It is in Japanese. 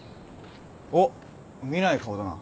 おっ見ない顔だな。